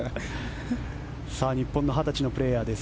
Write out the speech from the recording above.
日本の２０歳のプレーヤーです。